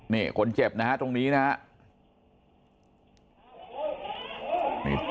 เนี่ยคนเจ็บนะฮะตรงนี้นะฮะ